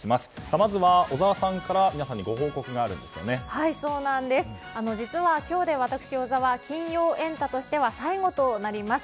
まずは、小澤さんから実は、私、小澤金曜エンタ！としては最後となります。